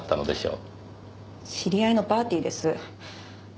知り合いのパーティーです。